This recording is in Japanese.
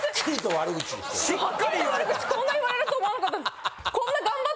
悪口こんな言われると思わなかったです。